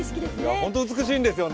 本当、美しいんですよね